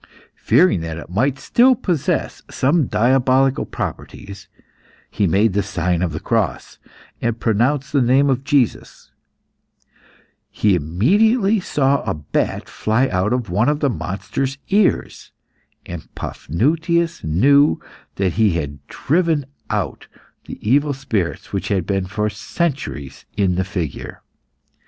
Fearing that it might still possess some diabolical properties, he made the sign of the cross, and pronounced the name of Jesus; he immediately saw a bat fly out of one of the monster's ears, and Paphnutius knew that he had driven out the evil spirits which had been for centuries in the figure.